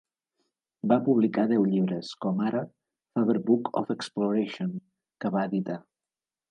Va publicar deu llibres, com ara "Faber Book of Exploration", que va editar.